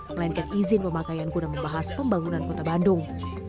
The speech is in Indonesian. melainkan izin pemakaian guna membahas pembangunan kota bandung